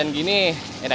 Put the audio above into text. bisa gue berani